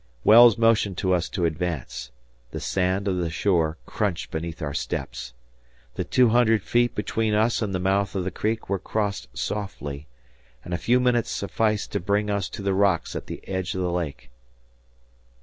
Wells motioned to us to advance. The sand of the shore crunched beneath our steps. The two hundred feet between us and the mouth of the Creek were crossed softly, and a few minutes sufficed to bring us to the rocks at the edge of the lake.